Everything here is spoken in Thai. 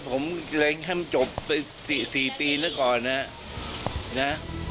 ผมเล็งทำจบ๔ปีแล้วก่อนนะ